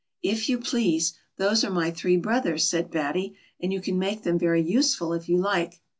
" If you please, those are my three brothers," said Batty ;" and you can make them very useful if you like."